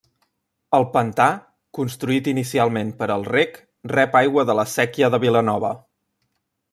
El pantà, construït inicialment per al reg, rep aigua de la Séquia de Vilanova.